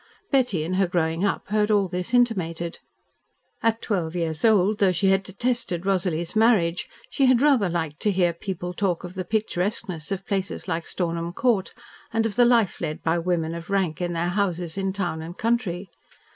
Betty, in her growing up, heard all this intimated. At twelve years old, though she had detested Rosalie's marriage, she had rather liked to hear people talk of the picturesqueness of places like Stornham Court, and of the life led by women of rank in their houses in town and country.